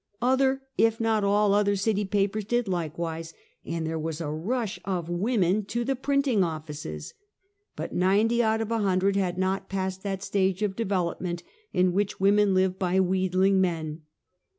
Other, if not all other city papers, did likewise, and there was a rnsh of women to the printing offices; but ninety out of a hundred had not passed that stage of development in which women live by wheedling men.